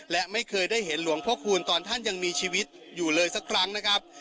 และไม่เคยได้เห็นหลวงพ่อคูณตอนท่านยังมีชีวิตอยู่เลยสักครั้งนะครับ